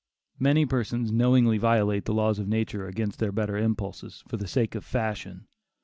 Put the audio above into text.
Many persons knowingly violate the laws of nature against their better impulses, for the sake of fashion.